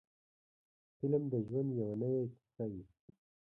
فلم د ژوند یوه نوې کیسه وي.